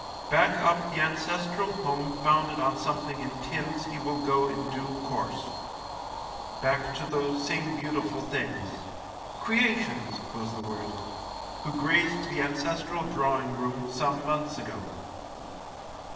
Back up the ancestral home founded on some 56 THE LIEUTENANT thing in tins he will go in due course ; back to those same beautiful things — creations was the word — who graced the ancestral drawing room some months ago.